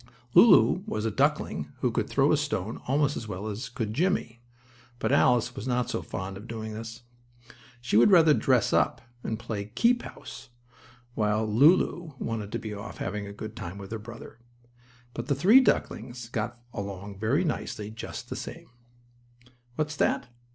Lulu was a duckling who could throw a stone almost as well as could Jimmie, but Alice was not so fond of doing this. She would rather dress up, and play keep house, while Lulu wanted to be off having a good time with her brother. But the three ducklings got along very nicely together just the same. What's that?